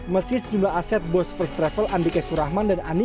meski sejumlah aset bos first travel andika surahman dan ani